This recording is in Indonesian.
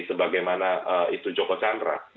sebagaimana itu joko chandra